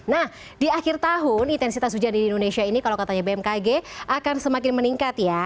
nah di akhir tahun intensitas hujan di indonesia ini kalau katanya bmkg akan semakin meningkat ya